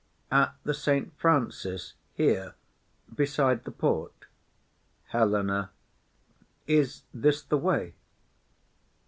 At the Saint Francis here, beside the port. HELENA. Is this the way?